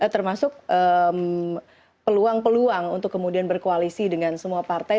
termasuk peluang peluang untuk kemudian berkoalisi dengan semua partai